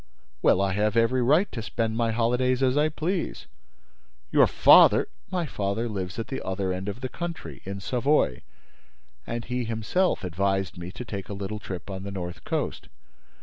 "Well, I have every right to spend my holidays as I please." "Your father—" "My father lives at the other end of the country, in Savoy, and he himself advised me to take a little trip on the North Coast."